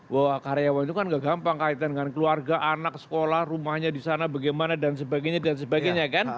wah karyawan itu kan gak gampang kaitan dengan keluarga anak sekolah rumahnya disana bagaimana dan sebagainya